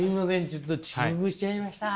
ちょっと遅刻しちゃいました。